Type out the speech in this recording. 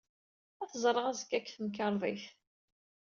Ad t-ẓreɣ azekka deg temkarḍit.